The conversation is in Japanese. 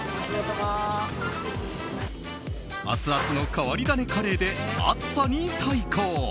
アツアツの変わり種カレーで暑さに対抗。